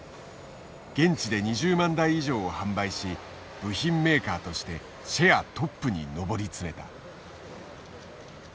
現地で２０万台以上を販売し部品メーカーとしてシェアトップに上り詰めた。